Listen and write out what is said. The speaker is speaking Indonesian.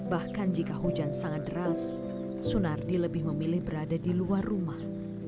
bahkan jika hujan sangat deras sunardi lebih memilih berada di luar rumah